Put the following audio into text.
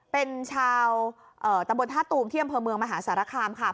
เป็นชาวตะบดท่าตูกเที่ยมเผลอเมืองมหาศรษะคราม